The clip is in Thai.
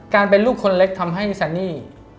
เป็นลูกคนเล็กทำให้ซันนี่